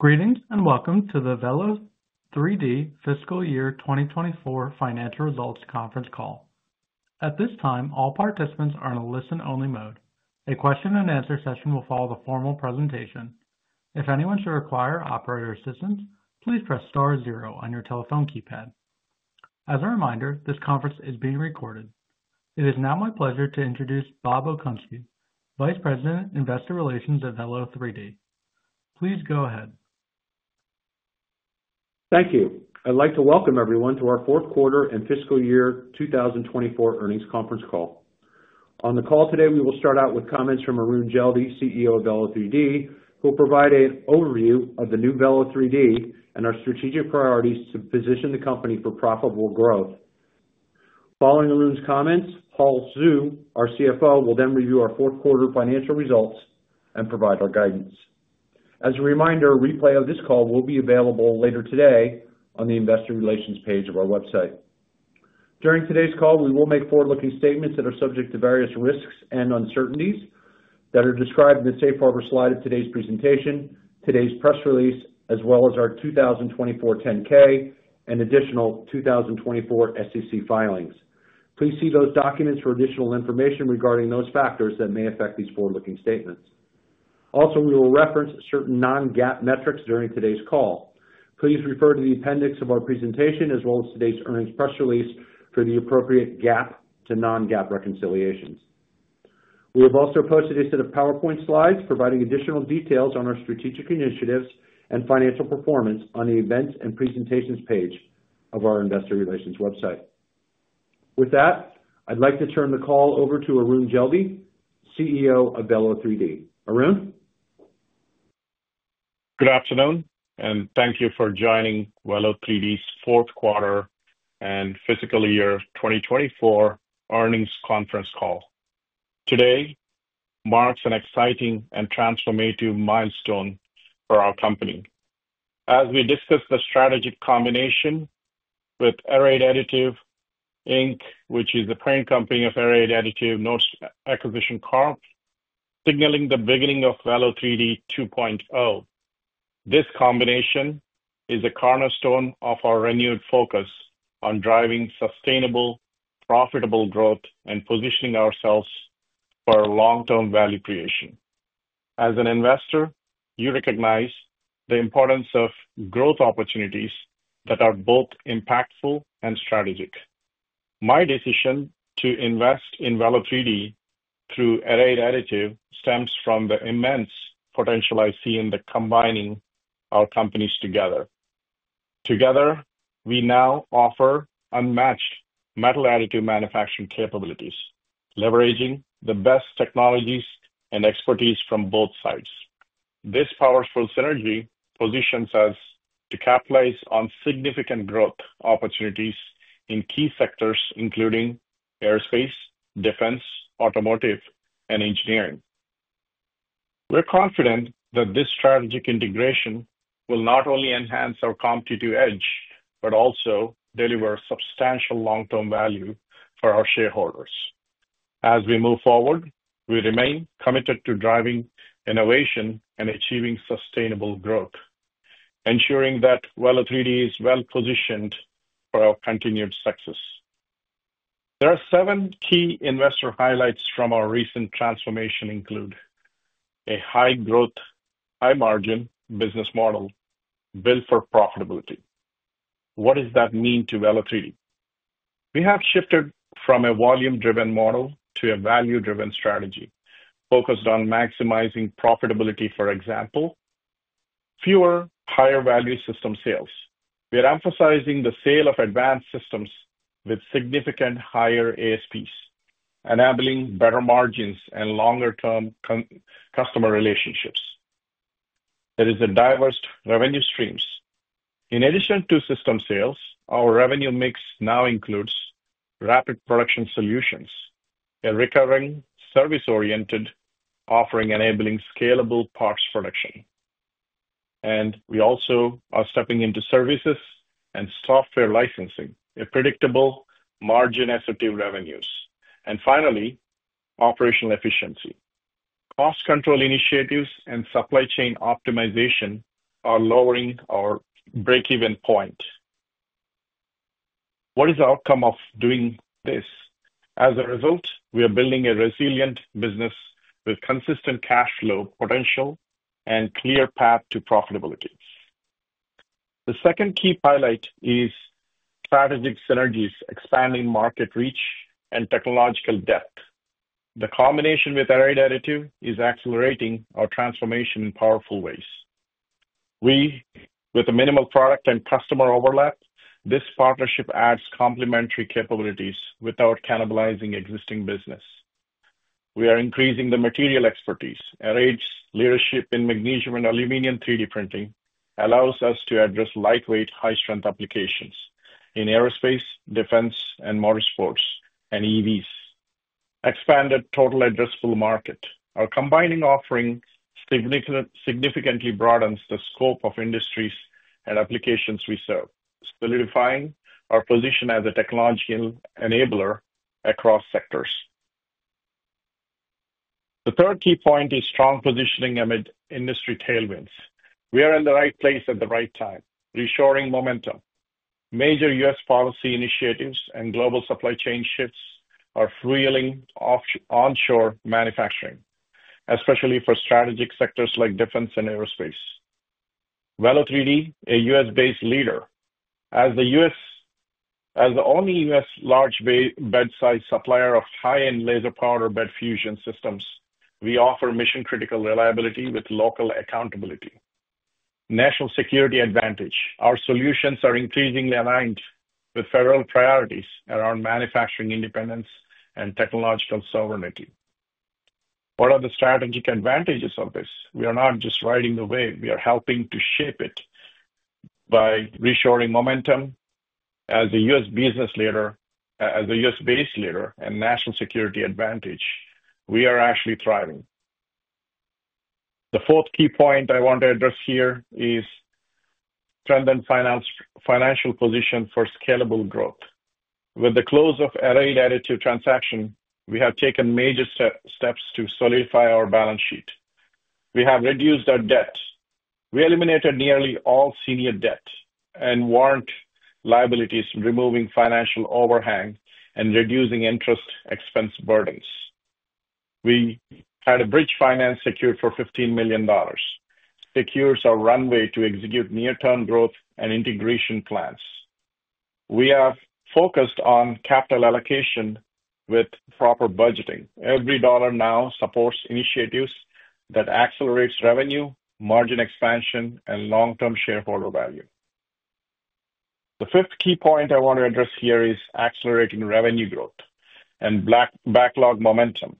Greetings and welcome to the Velo3D fiscal year 2024 financial results conference call. At this time, all participants are in a listen-only mode. A question-and-answer session will follow the formal presentation. If anyone should require operator assistance, please press star zero on your telephone keypad. As a reminder, this conference is being recorded. It is now my pleasure to introduce Bob Okunski, Vice President, Investor Relations at Velo3D. Please go ahead. Thank you. I'd like to welcome everyone to our fourth quarter and fiscal year 2024 earnings conference call. On the call today, we will start out with comments from Arun Jeldi, CEO of Velo3D, who will provide an overview of the new Velo3D and our strategic priorities to position the company for profitable growth. Following Arun's comments, Hull Xu, our CFO, will then review our fourth quarter financial results and provide our guidance. As a reminder, a replay of this call will be available later today on the investor relations page of our website. During today's call, we will make forward-looking statements that are subject to various risks and uncertainties that are described in the Safe Harbor slide of today's presentation, today's press release, as well as our 2024 10-K and additional 2024 SEC filings. Please see those documents for additional information regarding those factors that may affect these forward-looking statements. Also, we will reference certain non-GAAP metrics during today's call. Please refer to the appendix of our presentation, as well as today's earnings press release, for the appropriate GAAP to non-GAAP reconciliations. We have also posted a set of PowerPoint slides providing additional details on our strategic initiatives and financial performance on the events and presentations page of our investor relations website. With that, I'd like to turn the call over to Arun Jeldi, CEO of Velo3D. Arun? Good afternoon, and thank you for joining Velo3D's fourth quarter and fiscal year 2024 earnings conference call. Today marks an exciting and transformative milestone for our company. As we discuss the strategic combination with Arrayed Additive, which is a parent company of Arrayed Additive North Acquisition Corp., signaling the beginning of Velo3D 2.0, this combination is a cornerstone of our renewed focus on driving sustainable, profitable growth and positioning ourselves for long-term value creation. As an investor, you recognize the importance of growth opportunities that are both impactful and strategic. My decision to invest in Velo3D through Arrayed Additive stems from the immense potential I see in combining our companies together. Together, we now offer unmatched metal additive manufacturing capabilities, leveraging the best technologies and expertise from both sides. This powerful synergy positions us to capitalize on significant growth opportunities in key sectors, including aerospace, defense, automotive, and engineering. We're confident that this strategic integration will not only enhance our competitive edge but also deliver substantial long-term value for our shareholders. As we move forward, we remain committed to driving innovation and achieving sustainable growth, ensuring that Velo3D is well-positioned for our continued success. There are seven key investor highlights from our recent transformation, including a high-growth, high-margin business model built for profitability. What does that mean to Velo3D? We have shifted from a volume-driven model to a value-driven strategy focused on maximizing profitability, for example, fewer higher-value system sales. We are emphasizing the sale of advanced systems with significantly higher ASPs, enabling better margins and longer-term customer relationships. There are diverse revenue streams. In addition to system sales, our revenue mix now includes Rapid Production Solutions, a recurring service-oriented offering enabling scalable parts production. We also are stepping into services and software licensing, predictable margin-asset revenues. Finally, operational efficiency. Cost control initiatives and supply chain optimization are lowering our break-even point. What is the outcome of doing this? As a result, we are building a resilient business with consistent cash flow potential and a clear path to profitability. The second key highlight is strategic synergies, expanding market reach and technological depth. The combination with Arrayed Additive is accelerating our transformation in powerful ways. With minimal product and customer overlap, this partnership adds complementary capabilities without cannibalizing existing business. We are increasing the material expertise. Arrowhead's leadership in magnesium and aluminum 3D printing allows us to address lightweight, high-strength applications in aerospace, defense, motorsports, and EVs. Expanded total addressable market. Our combined offering significantly broadens the scope of industries and applications we serve, solidifying our position as a technological enabler across sectors. The third key point is strong positioning amid industry tailwinds. We are in the right place at the right time, reshoring momentum. Major U.S. policy initiatives and global supply chain shifts are fueling onshore manufacturing, especially for strategic sectors like defense and aerospace. Velo3D, a U.S.-based leader. As the only U.S. large bed size supplier of high-end laser powder bed fusion systems, we offer mission-critical reliability with local accountability. National security advantage. Our solutions are increasingly aligned with federal priorities around manufacturing independence and technological sovereignty. What are the strategic advantages of this? We are not just riding the wave; we are helping to shape it by reshoring momentum. As a U.S. business leader, as a U.S. base leader, and national security advantage, we are actually thriving. The fourth key point I want to address here is strengthened financial position for scalable growth. With the close of Arrayed Additive transaction, we have taken major steps to solidify our balance sheet. We have reduced our debt. We eliminated nearly all senior debt and warrant liabilities, removing financial overhang and reducing interest expense burdens. We had a bridge finance secured for $15 million. Secures our runway to execute near-term growth and integration plans. We have focused on capital allocation with proper budgeting. Every dollar now supports initiatives that accelerate revenue, margin expansion, and long-term shareholder value. The fifth key point I want to address here is accelerating revenue growth and backlog momentum.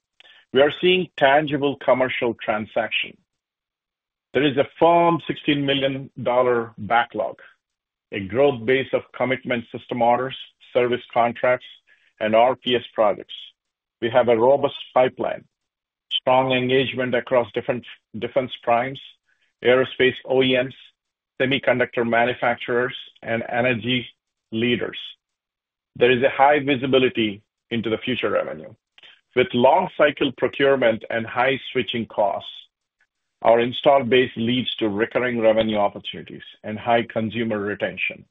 We are seeing tangible commercial transaction. There is a firm $16 million backlog, a growth base of commitment system orders, service contracts, and RPS projects. We have a robust pipeline, strong engagement across different defense primes, aerospace OEMs, semiconductor manufacturers, and energy leaders. There is a high visibility into the future revenue. With long-cycle procurement and high switching costs, our installed base leads to recurring revenue opportunities and high consumer retention.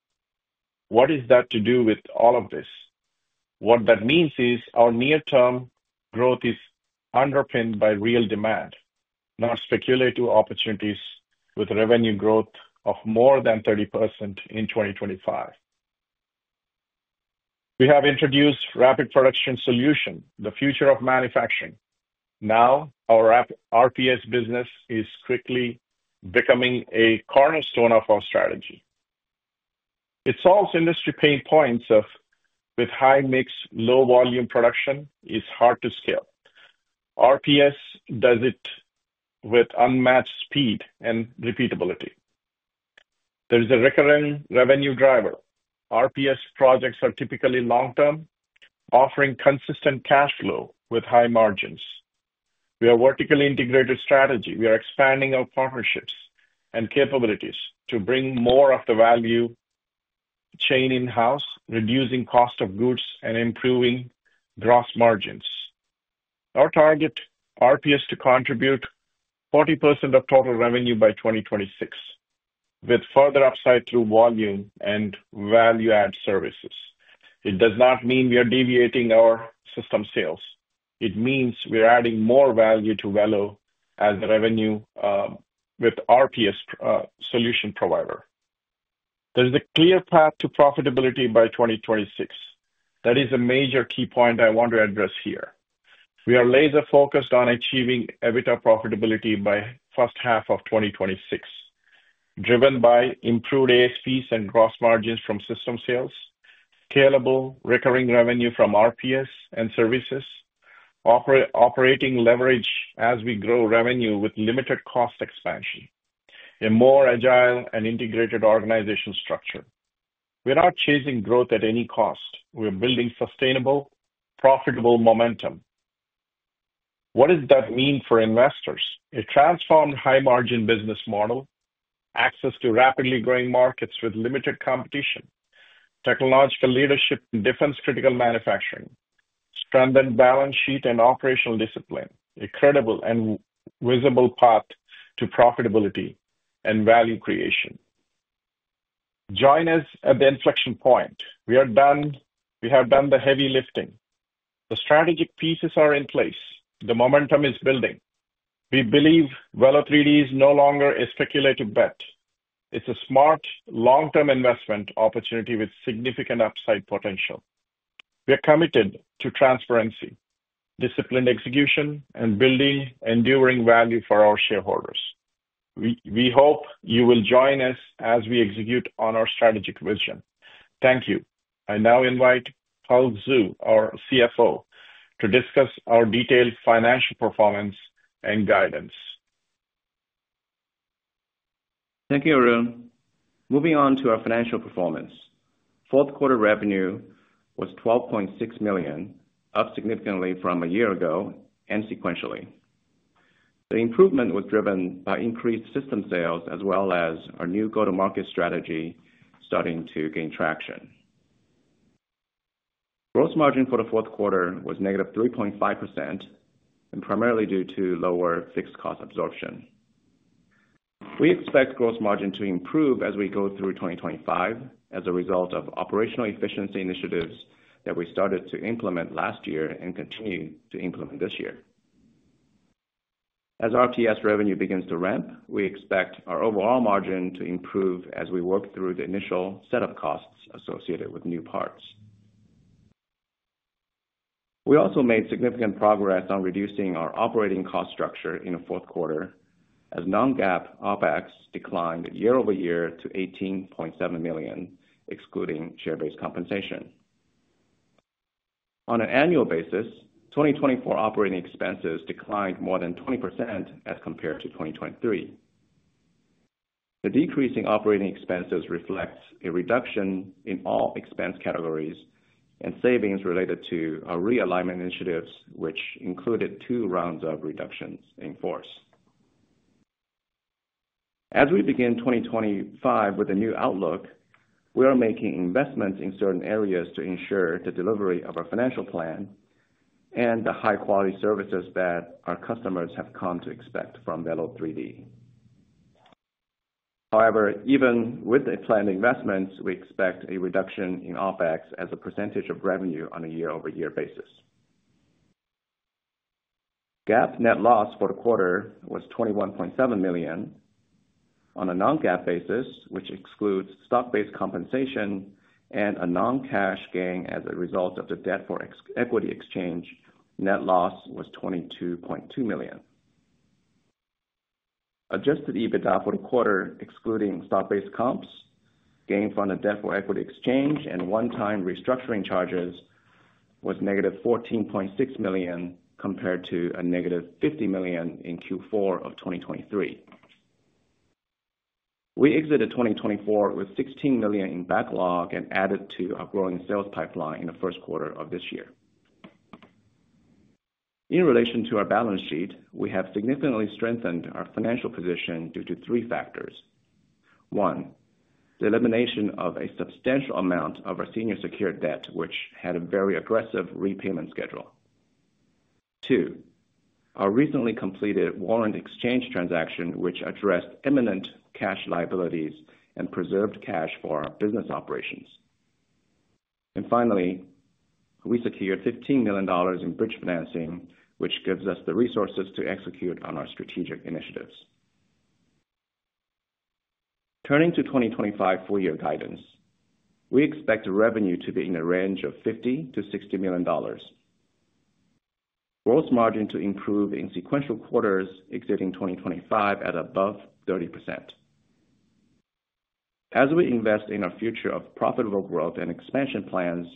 What is that to do with all of this? What that means is our near-term growth is underpinned by real demand, not speculative opportunities, with revenue growth of more than 30% in 2025. We have introduced Rapid Production Solutions, the future of manufacturing. Now, our RPS business is quickly becoming a cornerstone of our strategy. It solves industry pain points of high-mix, low-volume production. It's hard to scale. RPS does it with unmatched speed and repeatability. There is a recurring revenue driver. RPS projects are typically long-term, offering consistent cash flow with high margins. We are vertically integrated strategy. We are expanding our partnerships and capabilities to bring more of the value chain in-house, reducing cost of goods and improving gross margins. Our target RPS is to contribute 40% of total revenue by 2026, with further upside through volume and value-add services. It does not mean we are deviating our system sales. It means we are adding more value to Velo as a revenue with RPS solution provider. There is a clear path to profitability by 2026. That is a major key point I want to address here. We are laser-focused on achieving EBITDA profitability by the first half of 2026, driven by improved ASPs and gross margins from system sales, scalable recurring revenue from RPS and services, operating leverage as we grow revenue with limited cost expansion, a more agile and integrated organization structure. We are not chasing growth at any cost. We are building sustainable, profitable momentum. What does that mean for investors? A transformed high-margin business model, access to rapidly growing markets with limited competition, technological leadership, and defense-critical manufacturing, strengthened balance sheet and operational discipline, a credible and visible path to profitability and value creation. Join us at the inflection point. We have done the heavy lifting. The strategic pieces are in place. The momentum is building. We believe Velo3D is no longer a speculative bet. It's a smart, long-term investment opportunity with significant upside potential. We are committed to transparency, disciplined execution, and building enduring value for our shareholders. We hope you will join us as we execute on our strategic vision. Thank you. I now invite Hull Xu, our CFO, to discuss our detailed financial performance and guidance. Thank you, Arun. Moving on to our financial performance. Fourth quarter revenue was $12.6 million, up significantly from a year ago and sequentially. The improvement was driven by increased system sales, as well as our new go-to-market strategy starting to gain traction. Gross margin for the fourth quarter was -3.5%, and primarily due to lower fixed cost absorption. We expect gross margin to improve as we go through 2025 as a result of operational efficiency initiatives that we started to implement last year and continue to implement this year. As RPS revenue begins to ramp, we expect our overall margin to improve as we work through the initial setup costs associated with new parts. We also made significant progress on reducing our operating cost structure in the fourth quarter as non-GAAP OpEx declined year-over-year to $18.7 million, excluding share-based compensation. On an annual basis, 2024 operating expenses declined more than 20% as compared to 2023. The decrease in operating expenses reflects a reduction in all expense categories and savings related to our realignment initiatives, which included two rounds of reductions in force. As we begin 2025 with a new outlook, we are making investments in certain areas to ensure the delivery of our financial plan and the high-quality services that our customers have come to expect from Velo3D. However, even with the planned investments, we expect a reduction in OpEx as a percentage of revenue on a year-over-year basis. GAAP net loss for the quarter was $21.7 million. On a non-GAAP basis, which excludes stock-based compensation and a non-cash gain as a result of the debt-for-equity exchange, net loss was $22.2 million. Adjusted EBITDA for the quarter, excluding stock-based comps, gain from the debt-for-equity exchange and one-time restructuring charges, was -$14.6 million compared to a -$50 million in Q4 of 2023. We exited 2024 with $16 million in backlog and added to our growing sales pipeline in the first quarter of this year. In relation to our balance sheet, we have significantly strengthened our financial position due to three factors. One, the elimination of a substantial amount of our senior secured debt, which had a very aggressive repayment schedule. Two, our recently completed warrant exchange transaction, which addressed imminent cash liabilities and preserved cash for our business operations. Finally, we secured $15 million in bridge financing, which gives us the resources to execute on our strategic initiatives. Turning to 2025 full-year guidance, we expect revenue to be in the range of $50 million-$60 million. Gross margin to improve in sequential quarters exiting 2025 at above 30%. As we invest in our future of profitable growth and expansion plans,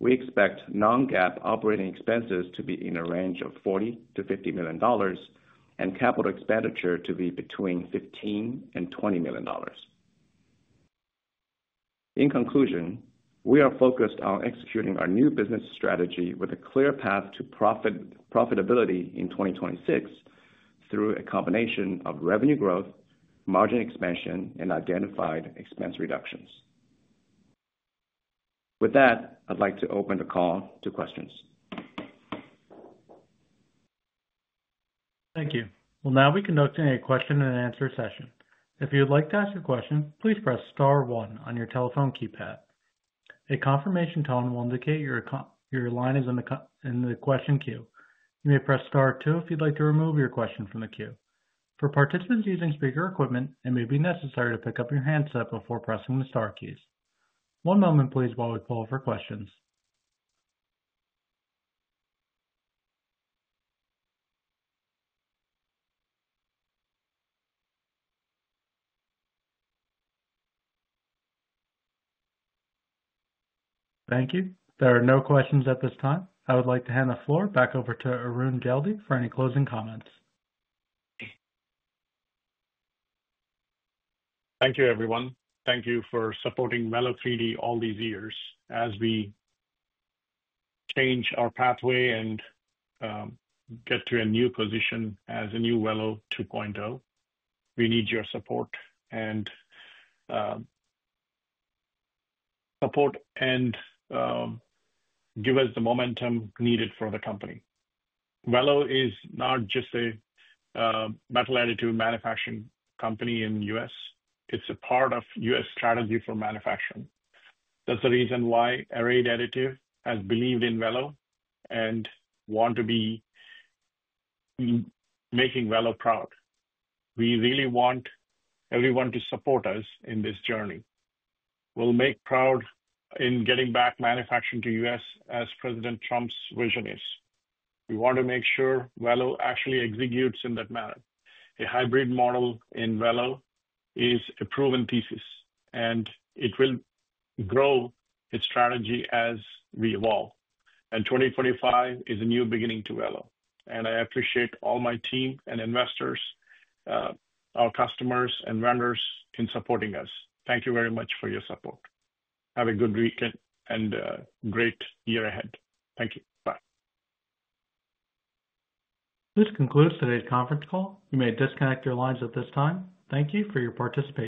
we expect non-GAAP operating expenses to be in the range of $40 million-$50 million and capital expenditure to be between $15 million and $20 million. In conclusion, we are focused on executing our new business strategy with a clear path to profitability in 2026 through a combination of revenue growth, margin expansion, and identified expense reductions. With that, I'd like to open the call to questions. Thank you. Now we can go to a question and answer session. If you'd like to ask a question, please press star one on your telephone keypad. A confirmation tone will indicate your line is in the question queue. You may press star two if you'd like to remove your question from the queue. For participants using speaker equipment, it may be necessary to pick up your handset before pressing the star keys. One moment, please, while we pull for questions. Thank you. There are no questions at this time. I would like to hand the floor back over to Arun Jeldi for any closing comments. Thank you, everyone. Thank you for supporting Velo3D all these years. As we change our pathway and get to a new position as a new Velo 2.0, we need your support and give us the momentum needed for the company. Velo is not just a metal additive manufacturing company in the U.S. It's a part of U.S. strategy for manufacturing. That's the reason why Arrayed Additive has believed in Velo and wants to be making Velo proud. We really want everyone to support us in this journey. We'll make proud in getting back manufacturing to the U.S., as President Trump's vision is. We want to make sure Velo actually executes in that manner. A hybrid model in Velo is a proven thesis, and it will grow its strategy as we evolve. 2025 is a new beginning to Velo. I appreciate all my team and investors, our customers, and vendors in supporting us. Thank you very much for your support. Have a good weekend and a great year ahead. Thank you. Bye. This concludes today's conference call. You may disconnect your lines at this time. Thank you for your participation.